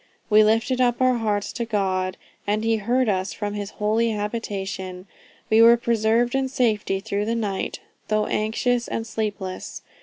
We lifted up our hearts to God, and he heard us from his holy habitation. We were preserved in safety through the night, though anxious and sleepless.